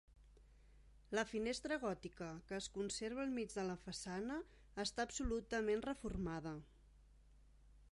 La finestra gòtica, que es conserva al mig de la façana, està absolutament reformada.